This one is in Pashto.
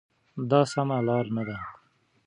دا سمه لار نه ده.